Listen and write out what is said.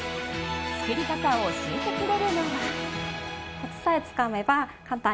作り方を教えてくれるのは。